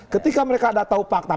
ketika mereka ada tahu fakta